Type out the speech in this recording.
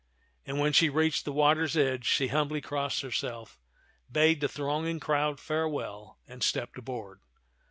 And when she reached the water's edge, she humbly crossed herself, bade the thronging crowd farewell, and stepped aboard.